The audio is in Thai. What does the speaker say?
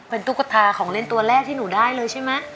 เป็นตุ๊กตาของเล่นตัวแรกที่หนูได้เลยใช่ไหม